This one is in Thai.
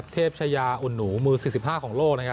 เทพชายาอุ่นหนูมือ๔๕ของโลก